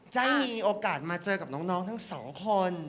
ได้มีโอกาสมาเจอกับน้องทั้งสองคน